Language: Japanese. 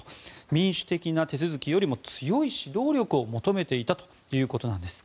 民主的な手続きよりも強い指導力を求めていたということなんです。